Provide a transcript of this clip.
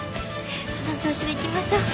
その調子でいきましょう。